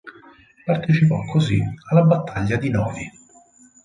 Partecipò così alla battaglia di Novi.